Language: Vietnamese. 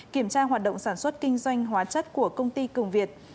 kiểm tra hoạt động sản xuất kinh doanh hóa chất của công ty cường việt